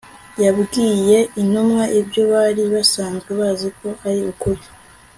yabwiye intumwa ibyo bari basanzwe bazi ko ari ukuri